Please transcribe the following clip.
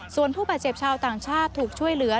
ส่วนผู้บาดเจ็บชาวต่างชาติถูกช่วยเหลือ